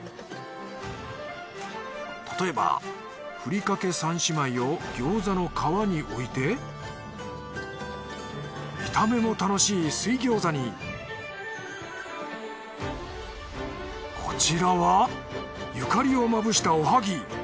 例えばふりかけ３姉妹を餃子の皮に置いて見た目も楽しい水餃子にこちらはゆかりをまぶしたおはぎ。